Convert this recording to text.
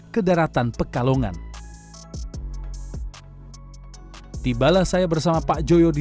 ke kampung nggak ada tempat lagi